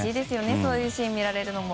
そういうシーンを見られるのも。